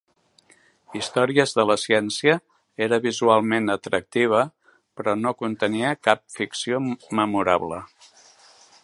"Històries de la Ciència" era visualment atractiva, però no contenia cap ficció memorable.